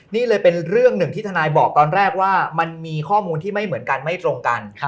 นี่เลยเป็นเรื่องหนึ่งที่ทนายบอกตอนแรกว่ามันมีข้อมูลที่ไม่เหมือนกันไม่ตรงกัน